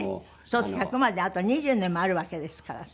そうすると１００まであと２０年もあるわけですからさ。